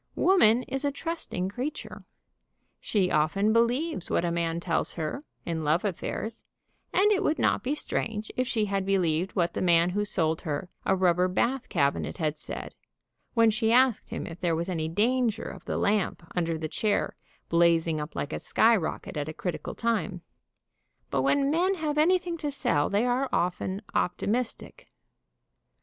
Woman is a trusting creature. She often believes what a man tells her, in love affairs, and it would not be strange if she had be lieved what the man who sold her a rubber bath cabi net had said, when she asked him if there was any danger of the lamp under the chair blazing up like a skyrocket at a critical time, but when men have THE TURKISH BATH AT HOME 155 anything to sell they are often optimistic.